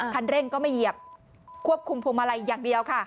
คันเร่งก็ไม่เหยียบควบคุมพวงมาลัยอย่างเดียวค่ะ